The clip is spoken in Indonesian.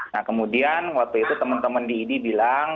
nah kemudian waktu itu temen temen di idi bilang